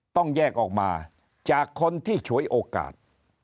ต้องแยกออกมาจากคนที่ฉวยโอกาส